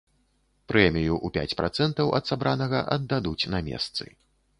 Прэмію ў пяць працэнтаў ад сабранага аддадуць на месцы.